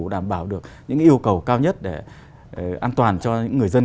đảm bảo được những yêu cầu cao nhất để an toàn cho những người dân